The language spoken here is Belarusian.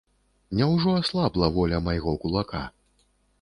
Няўжо аслабла воля майго кулака?